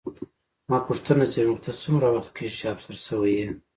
ما پوښتنه ځیني وکړه، ته څومره وخت کېږي چې افسر شوې یې؟